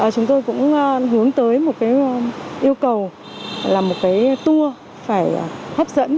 chúng tôi cũng hướng tới một yêu cầu là một tour phải hấp dẫn